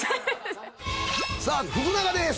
さあ福長です。